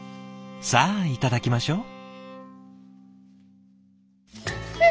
さあいただきましょう。